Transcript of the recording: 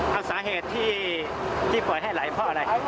เอาสาเหตุที่ปล่อยให้ไหลเพราะอะไร